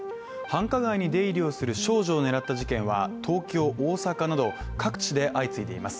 繁華街に出入りをする少女を狙った事件は、東京、大阪など各地で相次いでいます。